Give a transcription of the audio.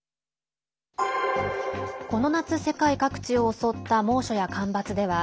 この夏、世界各地を襲った猛暑や干ばつでは